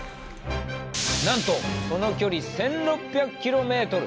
なんとその距離１，６００ｋｍ！